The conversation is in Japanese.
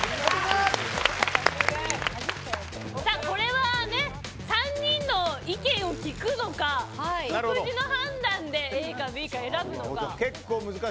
これは３人の意見を聞くのか独自の判断でＡかＢかを選ぶのか。